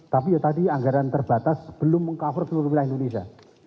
tapi ya tadi anggaran terbatas belum meng cover seluruh wilayah indonesia